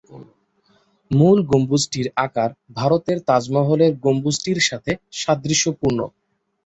মূল গম্বুজটির আকার ভারতের তাজমহলের গম্বুজটির সাথে সাদৃশ্যপূর্ণ।